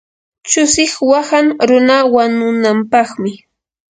chusiq waqan runa wanunampaqmi.